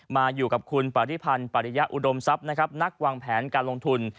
มาอยู่กับคุณปริพันธ์ปริยะอุดมทรัพย์นะครับนักวางแผนการลงทุน